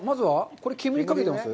これは煙りかけてます？